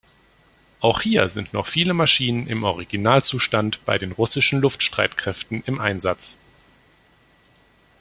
Auch hier sind noch viele Maschinen im „Originalzustand“ bei den russischen Luftstreitkräften im Einsatz.